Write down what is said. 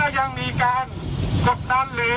ยังมีการกดดันหรือ